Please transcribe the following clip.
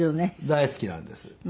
大好きなんです。